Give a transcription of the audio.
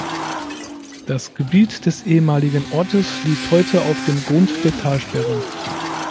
Das Gebiet des ehemaligen Ortes liegt heute auf dem Grund der Talsperre.